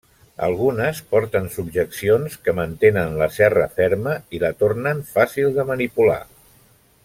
Algunes porten subjeccions que mantenen la serra ferma i la tornen fàcil de manipular.